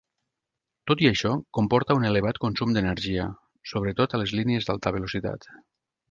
Tot i això, comporta un elevat consum d'energia, sobretot a les línies d'alta velocitat.